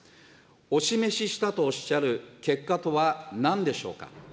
お示ししたとおっしゃる結果とはなんでしょうか。